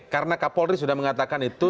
karena kak polri sudah mengatakan itu